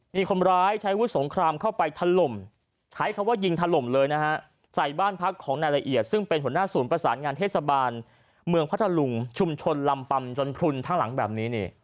มีคนร้ายใช้วุฒิสงครามเข้าไปถล่มใช้คำว่ายิงถล่มเลยนะฮะใส่บ้านพักของนายละเอียดซึ่งเป็นหัวหน้าศูนย์ประสานงานเทศบาลเมืองพัทธลุงชุมชนลำปัมจนพลุนทั้งหลังแบบนี้